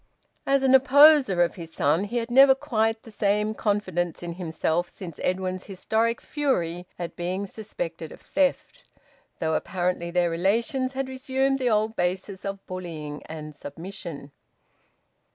As an opposer of his son he had never had quite the same confidence in himself since Edwin's historic fury at being suspected of theft, though apparently their relations had resumed the old basis of bullying and submission.